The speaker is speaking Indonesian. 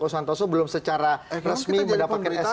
meskipun pak joko santoso belum secara resmi mendapatkan sk